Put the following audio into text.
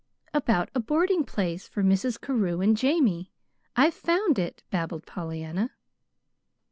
"About a boarding place for Mrs. Carew and Jamie. I've found it," babbled Pollyanna.